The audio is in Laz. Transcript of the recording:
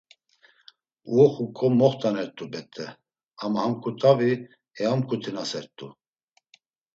Uoxuǩo moxt̆anert̆u bet̆e, ama ham ǩut̆avi eamǩutinasert̆u.